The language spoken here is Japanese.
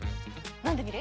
飲んでみる？